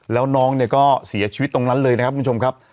แล้วน้องเนี่ยก็เสียชีวิตตรงนั้นเลยนะครับคุณผู้ชมครับ